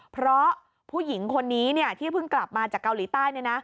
เพราะผู้หญิงคนนี้ที่เพิ่งกลับมาจากเกาหลีใต้